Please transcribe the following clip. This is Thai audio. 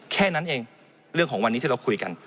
แค่นั้นเองเรื่องของวันนี้ที่เราคุยกัน